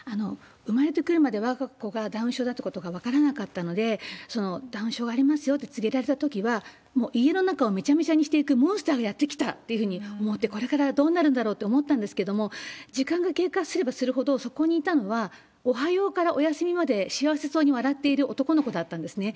生まれてくるまでわが子がダウン症だということが分からなかったので、ダウン症がありますよって告げられたときは、もう家の中をめちゃめちゃにしていくモンスターがやって来たと思って、これからどうなるんだろうと思ったんですけれども、時間が経過すればするほど、そこにおはようからおやすみまで、幸せそうに笑っている男の子だったんですね。